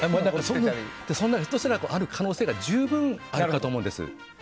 そんなものがある可能性が十分あるかと思うんです。